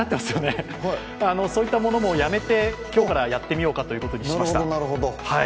そういったものもやめて今日からやってみようかとなりました。